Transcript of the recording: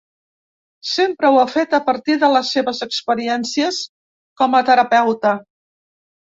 Sempre ho ha fet a partir de les seves experiències com a terapeuta.